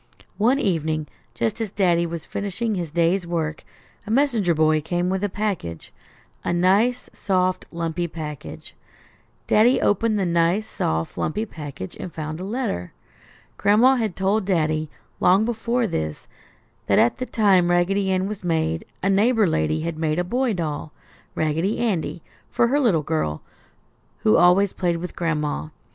One evening, just as Daddy was finishing his day's work, a messenger boy came with a package; a nice, soft lumpy package. Daddy opened the nice, soft lumpy package and found a letter. Gran'ma had told Daddy, long before this, that at the time Raggedy Ann was made, a neighbor lady had made a boy doll, Raggedy Andy, for her little girl, who always played with Gran'ma.